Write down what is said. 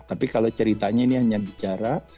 tapi kalau ceritanya ini hanya bicara